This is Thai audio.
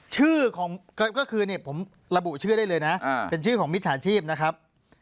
ชื่อของก็คือเนี่ยผมระบุชื่อได้เลยนะเป็นชื่อของมิจฉาชีพนะครับ